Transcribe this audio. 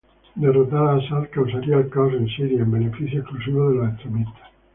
Derrotar a Assad causaría el caos en Siria, en beneficio exclusivo de los extremistas.